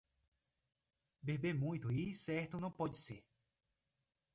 Beber muito e ir certo não pode ser.